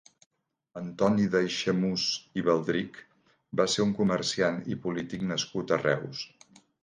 Antoni d'Aixemús i Baldrich va ser un comerciant i polític nascut a Reus.